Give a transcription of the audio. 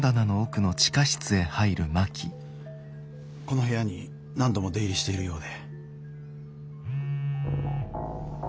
この部屋に何度も出入りしているようで。